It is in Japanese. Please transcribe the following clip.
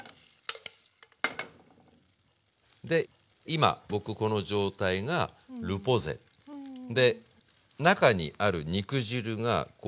で今僕この状態がルポゼ。で中にある肉汁がこう躍ってるわけですまだ。